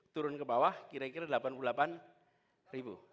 turun ke bawah kira kira delapan puluh delapan ribu